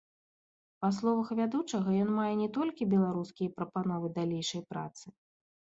Па словах вядучага, ён мае не толькі беларускія прапановы далейшай працы.